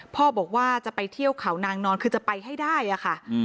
พ่อบอกว่าจะไปเที่ยวเขานางนอนคือจะไปให้ได้อะค่ะ